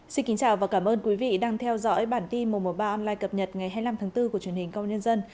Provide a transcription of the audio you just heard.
xin kính chào và cảm ơn quý vị đang theo dõi bản tin một trăm một mươi ba online cập nhật ngày hai mươi năm tháng bốn của truyền hình công nhân